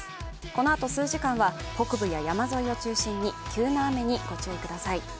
このあと数時間は、北部や山沿いを中心に急な雨にご注意ください。